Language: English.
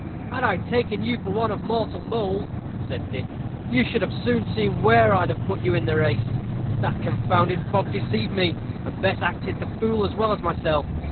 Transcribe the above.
"Had I taken you for one of mortal mould," said Dick, "you should have soon seen where I'd have put you in the race. That confounded fog deceived me, and Bess acted the fool as well as myself.